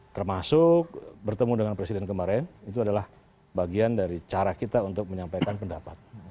termasuk bertemu dengan presiden kemarin itu adalah bagian dari cara kita untuk menyampaikan pendapat